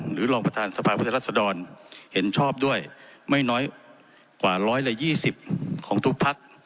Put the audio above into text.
หรือรองประธานสภาพประเทศรัฐสดรเห็นชอบด้วยไม่น้อยกว่าร้อยละยี่สิบของทุกพัก